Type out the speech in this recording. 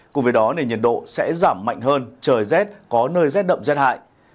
cùng với đó nền nhiệt độ sẽ giảm mạnh hơn trời rét có nơi rét đậm rét hại